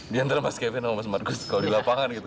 di antara mas kevin sama mas marcus kalau di lapangan gitu